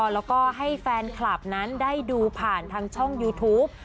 แล้วก็ให้แฟนคลับนั้นได้ดูผ่านทางช่องยูทูป